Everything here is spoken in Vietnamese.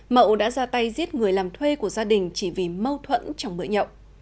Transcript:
mậu đã ra tay giết người làm thuê của gia đình chỉ vì mâu thuẫn trong bữa nhậu